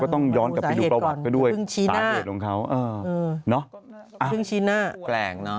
ก็ต้องย้อนกลับไปดูประวัติกันด้วยสาเหตุของเขาเนอะอะแกร่งเนอะ